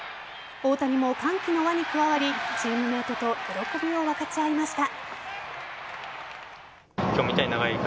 大谷も歓喜の輪に加わりチームメートと喜びを分かち合いました。